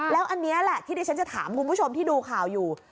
แล้วอันนี้แหละที่ดิฉันจะถามคุณผู้ชมที่ดูข่าวอยู่